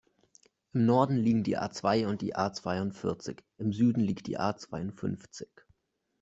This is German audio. Im Norden liegen die A-zwei und die A-zweiundvierzig, im Süden die A-zweiundfünfzig.